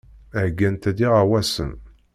Heyyant-d iɣawasen.